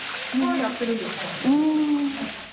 うん。